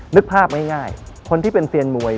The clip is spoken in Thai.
นึกภาพง่ายคนที่เป็นเซียนมวย